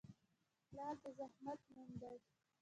پلار د زحمت نوم دی.